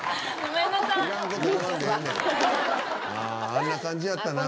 あああんな感じやったな